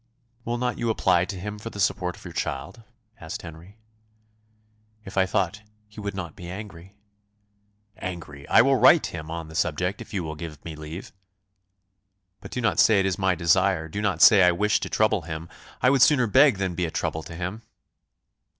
"Will not you apply to him for the support of your child?" asked Henry. "If I thought he would not be angry." "Angry! I will write to him on the subject if you will give me leave." "But do not say it is by my desire. Do not say I wish to trouble him. I would sooner beg than be a trouble to him."